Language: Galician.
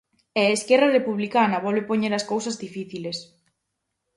E Esquerra Republicana volve poñer as cousas difíciles.